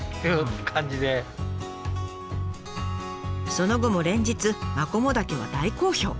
その後も連日マコモダケは大好評。